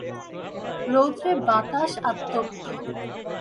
রৌদ্রে বাতাস আতপ্ত।